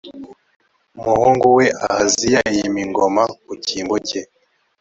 d umuhungu we ahaziya e yima ingoma mu cyimbo cye